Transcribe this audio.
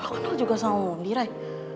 lo kenal juga sama mondi ray